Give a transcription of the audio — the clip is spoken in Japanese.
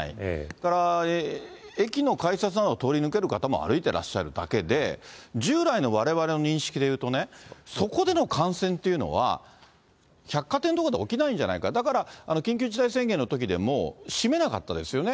だから、駅の改札など通り抜ける方も歩いてらっしゃるだけで、従来のわれわれの認識でいうとね、そこでの感染っていうのは、百貨店とかじゃ起きないんじゃないか、だから緊急事態宣言のときでも、閉めなかったですよね。